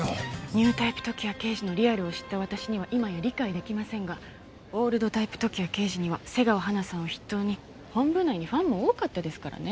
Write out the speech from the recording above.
ニュータイプ時矢刑事のリアルを知った私には今や理解できませんがオールドタイプ時矢刑事には背川葉奈さんを筆頭に本部内にファンも多かったですからね。